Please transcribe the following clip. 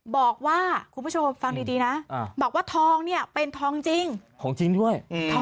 บอกว่าคุณผู้ชมฟังดีนะบอกว่าทองเนี่ยเป็นทองจริงของจริงด้วย